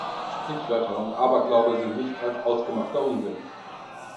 Sprichwörter und Aberglaube sind nichts als ausgemachter Unsinn.